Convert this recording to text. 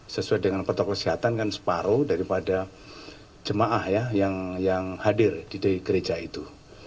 sesuai dengan protokol kesehatan kan separuh daripada jemaah ya yang hadir di gereja itu